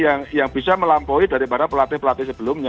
yang bisa melampaui daripada pelatih pelatih sebelumnya